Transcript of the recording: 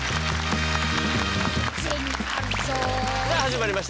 さあ始まりました